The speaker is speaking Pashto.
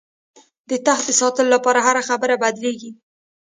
د تخت د ساتلو لپاره هره خبره بدلېږي.